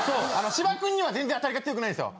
芝君には全然当たりが強くないですよ。